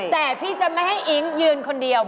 แต่พี่จะไม่ให้อิ๊งยืนคนเดียว